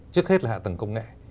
trước hết là hạ tầng công nghệ